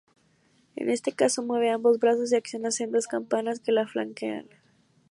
En este caso, mueve ambos brazos y acciona sendas campanas que le flanquean.